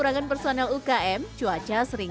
sehingga untuk program ini adalahorientasi sebagai chez en os